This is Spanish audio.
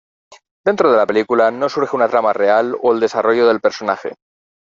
Dentro de la película, no surge una trama real o el desarrollo del personaje.